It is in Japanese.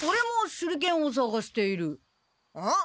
ん？